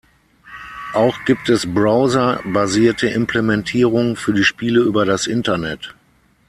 Auch gibt es Browser-basierte Implementierungen für die Spiele über das Internet.